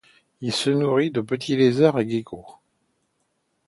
Il se nourrit de petits lézards et geckos.